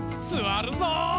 すわるぞう！